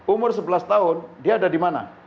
umur sebelas tahun dia ada dimana